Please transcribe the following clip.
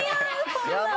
こんなん。